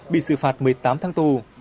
bị xử phạt một mươi tám tháng tù